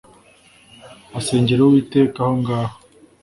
asengera uwiteka aho ngaho .